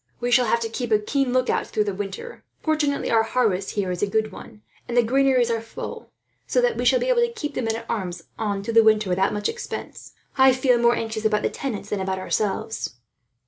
"We shall have to keep a keen lookout, through the winter. Fortunately our harvest here is a good one, and the granaries are all full; so that we shall be able to keep the men at arms on through the winter, without much expense. I feel more anxious about the tenants than about ourselves."